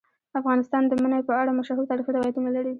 افغانستان د منی په اړه مشهور تاریخی روایتونه لري.